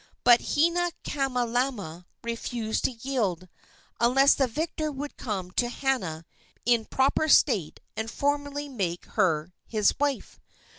But Hinaikamalama refused to yield, unless the victor would come to Hana in proper state and formally make her his wife.